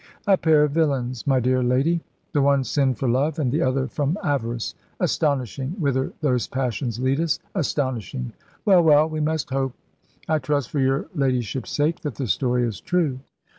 "A pair of villains, my dear lady. The one sinned for love and the other from avarice; astonishing whither those passions lead us astonishing. Well, well, we must hope. I trust, for your ladyship's sake, that the story is true."